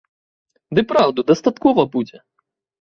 Ды праўду, дастаткова будзе.